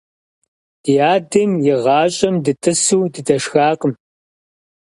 Ди адэм игъащӀэм дыдэтӀысу дыдэшхакъым.